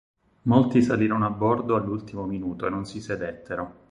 Molti salirono a bordo all'ultimo minuto e non si sedettero.